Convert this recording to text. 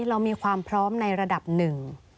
เรามีความพร้อมในระดับหนึ่ง